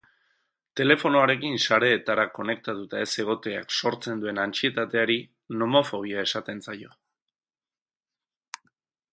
Telefonoarekin sareetara konektatuta ez egoteak sortzen duen antsietateari nomofobia esaten zaio.